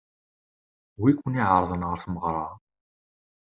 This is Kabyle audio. Wi ken-iɛeṛḍen ɣer tmeɣṛa?